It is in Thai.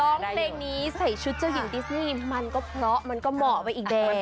ร้องเพลงนี้ใส่ชุดเจ้าหญิงดิสนี่มันก็เพราะมันก็เหมาะไปอีกแล้ว